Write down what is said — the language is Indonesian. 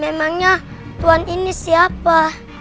memangnya tuhan ini siapa